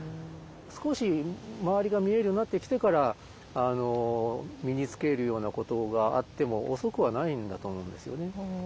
少し周りが見えるようになってきてから身につけるようなことがあっても遅くはないんだと思うんですよね。